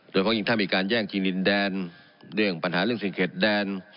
โดยเพราะยิ่งถ้ามีการแย่งที่ดินแดนเรื่องปัญหาเรื่องสิ่งเข็ดแดน